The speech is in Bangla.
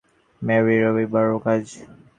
মেরি, রবিবারও কাজ?